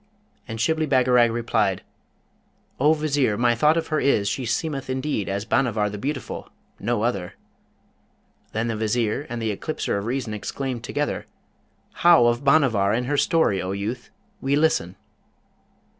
And Shibli Bagarag replied, 'O Vizier, my thought of her is, she seemeth indeed as Bhanavar the Beautiful no other.' Then the Vizier and the Eclipser of Reason exclaimed together, 'How of Bhanavar and her story, O youth? We listen!'